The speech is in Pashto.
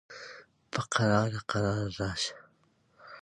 په قلاره قلاره راشه